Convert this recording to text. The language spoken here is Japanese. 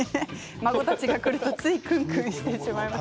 孫たちが来ると、ついくんくんしてしまいます。